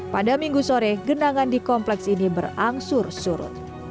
pada minggu sore genangan di kompleks ini berangsur surut